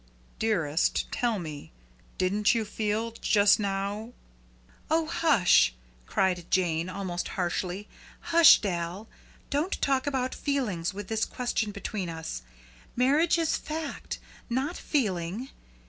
"Dearest tell me, didn't you feel just now " "Oh, hush!". cried Jane, almost harshly, "hush, Dal! Don't talk about feelings with this question between us. Marriage is fact, not feeling.